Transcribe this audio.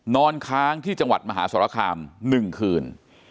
นอนค้างที่จังหวัดมหาสรคาม๑คืน